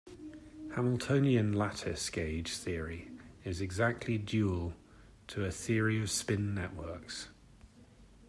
Hamiltonian lattice gauge theory is exactly dual to a theory of spin networks.